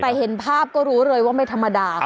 แต่เห็นภาพก็รู้เลยว่าไม่ธรรมดา